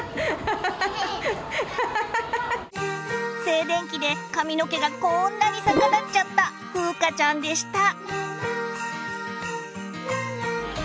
静電気で髪の毛がこんなに逆立っちゃったふうかちゃんでした。